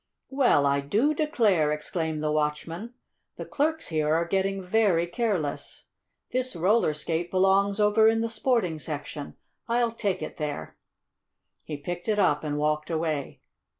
"Well, I do declare!" exclaimed the watchman. "The clerks here are getting very careless! This roller skate belongs over in the sporting section. I'll take it there." He picked it up and walked away.